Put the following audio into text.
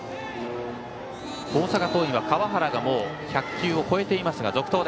大阪桐蔭は川原が１００球を超えていますが続投。